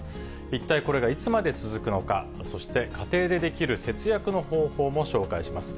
一体これがいつまで続くのか、そして家庭でできる節約の方法も紹介します。